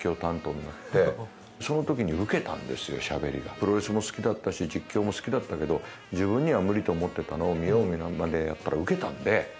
プロレスも好きだったし実況も好きだったけど自分には無理と思ってたのを見よう見まねでやったらウケた。